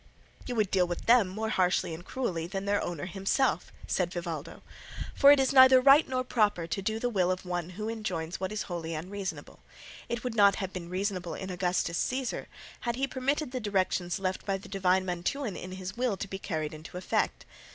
"You would deal with them more harshly and cruelly than their owner himself," said Vivaldo, "for it is neither right nor proper to do the will of one who enjoins what is wholly unreasonable; it would not have been reasonable in Augustus Caesar had he permitted the directions left by the divine Mantuan in his will to be carried into effect.